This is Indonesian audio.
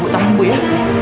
tahan bu ya